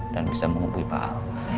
dan bisa mengumpul paham